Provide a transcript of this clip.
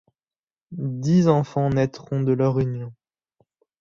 Dix enfants naîtront de leur union.